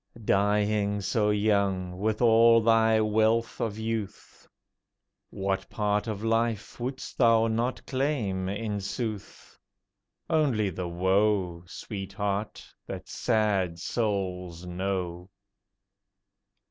Dying so young, with all thy wealth of youth, What part of life wouldst thou not claim, in sooth? Only the woe, Sweetheart, that sad souls know.